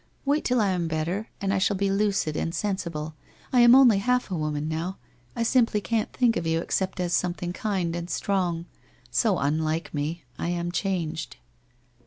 Wait till I am better, and I shall be lucid, and sensible. I am only half a woman, now. I simply can't think of you except as something kind and strong. So unlike me. I am changed.'